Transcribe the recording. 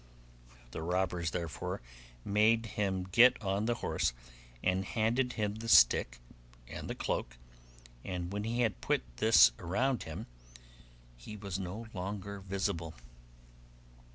The robbers, therefore, made him get on the horse, and handed him the stick and the cloak, and when he had put this round him he was no longer visible.